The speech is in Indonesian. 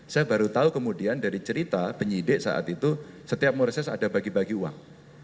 saya baru tahu kemudian dari cerita penyidik saat itu setiap mereses ada bagi bagi uang